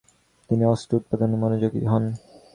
তিনি অস্ত্র উৎপাদনে মনোযোগী হন।